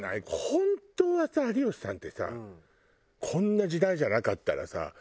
本当はさ有吉さんってさこんな時代じゃなかったらさ